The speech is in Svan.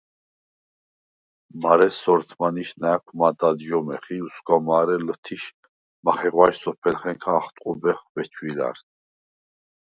მარე სორთმანიშ ნა̈ქვ მად ადჟომეხ ი უსგვა მარე ლჷთიშ მახეღვა̈ჟ სოფელხენქა ახტყუბეხ ბეჩვილა̈რს.